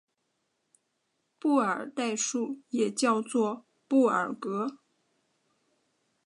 布尔代数也叫做布尔格。